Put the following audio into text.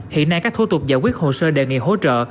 hiện nay các thủ tục giải quyết hồ sơ đề nghị hỗ trợ